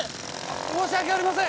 申し訳ありません！